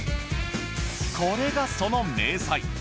これが、その明細。